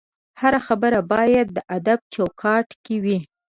هره خبره باید د ادب چوکاټ کې وي